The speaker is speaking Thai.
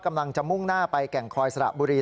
มุ่งหน้าไปแก่งคอยสระบุรี